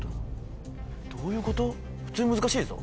普通に難しいぞ。